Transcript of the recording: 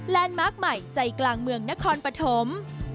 มาร์คใหม่ใจกลางเมืองนครปฐม